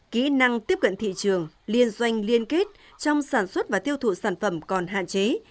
kỹ năng tiếp cận thị trường liên doanh liên kết trong sản xuất và tiêu thụ sản phẩm còn hạn chế